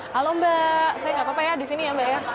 halo mbak saya nggak apa apa ya di sini ya mbak ya